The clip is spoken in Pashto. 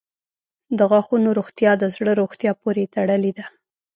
• د غاښونو روغتیا د زړه روغتیا پورې تړلې ده.